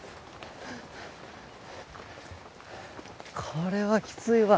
これはきついわ。